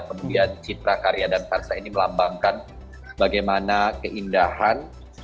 kemudian citra karya dan karsa ini melambangkan bagaimana keindahan